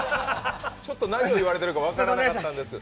ちょっと何を言われてるか分からなかったんです。